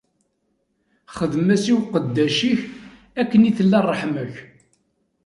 Xedm-as i uqeddac-ik akken i tella ṛṛeḥma-k.